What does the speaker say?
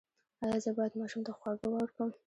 ایا زه باید ماشوم ته خواږه ورکړم؟